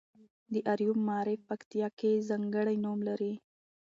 د اریوب معارف پکتیا کې ځانګړی نوم لري.